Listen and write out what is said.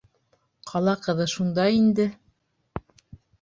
Ҡала ҡыҙы шундай инде.